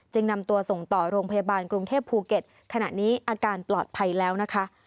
นำตัวส่งต่อโรงพยาบาลกรุงเทพภูเก็ตขณะนี้อาการปลอดภัยแล้วนะคะ